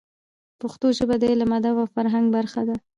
پښتو ژبه د علم، ادب او فرهنګ برخه ده.